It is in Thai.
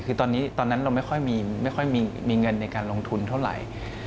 คือตอนนั้นเราไม่ค่อยมีเงินในการลงทุนเท่าไหร่